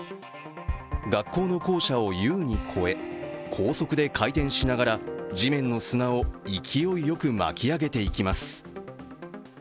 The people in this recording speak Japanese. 学校の校舎を優に超え、高速で回転しながら地面の砂を勢いよく巻き上げていきます。